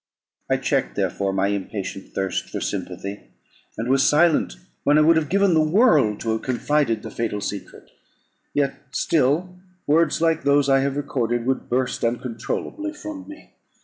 I checked, therefore, my impatient thirst for sympathy, and was silent when I would have given the world to have confided the fatal secret. Yet still words like those I have recorded, would burst uncontrollably from me.